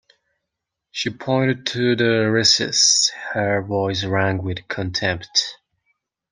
She pointed to the recess; her voice rang with contempt.